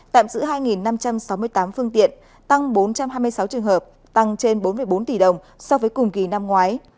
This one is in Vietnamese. tạm giữ hai năm trăm sáu mươi tám phương tiện tăng bốn trăm hai mươi sáu trường hợp tăng trên bốn bốn tỷ đồng so với cùng kỳ năm ngoái